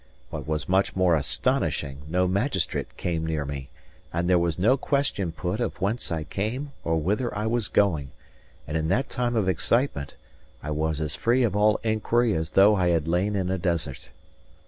What was much more astonishing, no magistrate came near me, and there was no question put of whence I came or whither I was going; and in that time of excitement, I was as free of all inquiry as though I had lain in a desert.